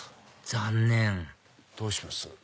残念どうします？